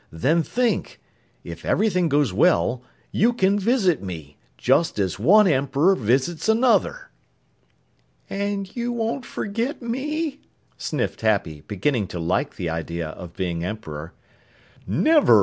Then think if everything goes well, you can visit me just as one Emperor visits another!" "And you won't forget me?" sniffed Happy, beginning to like the idea of being Emperor. "Never!"